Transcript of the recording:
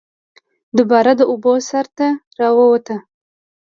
دوباره د اوبو سر ته راووت